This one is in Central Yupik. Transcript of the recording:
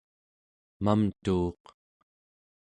mamtuuq